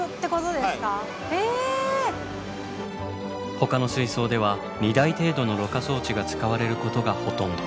ほかの水槽では２台程度のろ過装置が使われることがほとんど。